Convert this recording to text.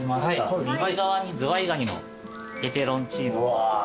右側にズワイガニのペペロンチーノですね。